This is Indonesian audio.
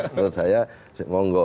menurut saya monggo